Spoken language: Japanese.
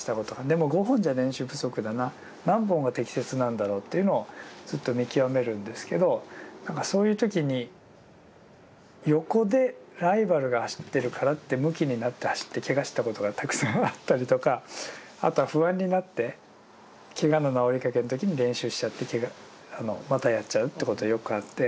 でも５本じゃ練習不足だな何本が適切なんだろうというのをずっと見極めるんですけどそういう時に横でライバルが走ってるからってむきになって走ってけがしたことがたくさんあったりとかあとは不安になってけがの治りかけの時に練習しちゃってまたやっちゃうってことがよくあって。